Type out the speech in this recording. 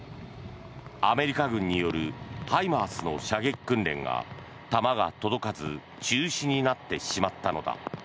アメリカ軍によるＨＩＭＡＲＳの射撃訓練が弾が届かず中止になってしまったのだ。